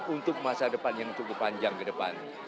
untuk masa depan yang cukup panjang ke depan